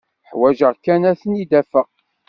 Ḥwajeɣ kan ad ten-id-afeɣ.